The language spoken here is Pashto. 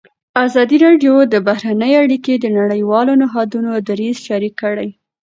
ازادي راډیو د بهرنۍ اړیکې د نړیوالو نهادونو دریځ شریک کړی.